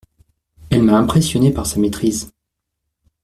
Elle m'a impressionné par sa maîtrise.